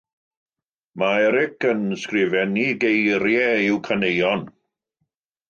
Mae Eric yn ysgrifennu geiriau i'w caneuon.